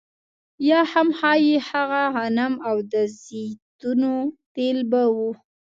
یا هم ښايي هغه غنم او د زیتونو تېل به وو